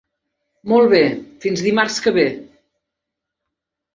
Molt bé; fins dimarts que ve.